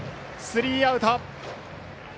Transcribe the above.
スリーアウト。